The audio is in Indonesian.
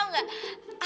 aku udah gak berpikir